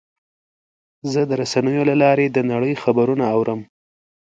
زه د رسنیو له لارې د نړۍ خبرونه اورم.